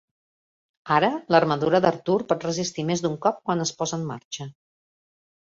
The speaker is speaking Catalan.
Ara, l'armadura d'Arthur pot resistir més d'un cop quan es posa en marxa.